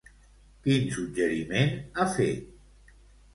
Quin suggeriment ha fet?